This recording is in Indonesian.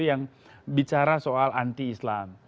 yang bicara soal anti islam